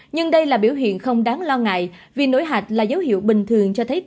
nhưng đây là biểu hiện không đáng lo ngại vì nổi hạch là dấu hiệu bình thường